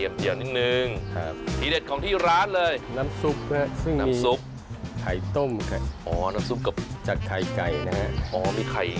แล้วก็เนื้อเป็ดเลือดเป็ดนะฮะ